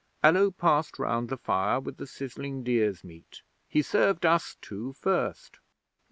'Allo passed round the fire with the sizzling deer's meat. He served us two first.